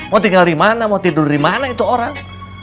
mau tinggal dimana mau tidur dimana itu orang